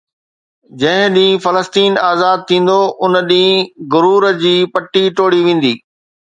جنهن ڏينهن فلسطين آزاد ٿيندو ان ڏينهن غرور جي پٺي ٽوڙي ويندي